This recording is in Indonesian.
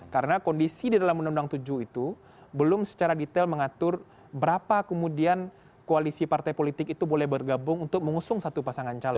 karena kondisi di dalam undang undang tujuh itu belum secara detail mengatur berapa kemudian koalisi partai politik itu boleh bergabung untuk mengusung satu pasangan calon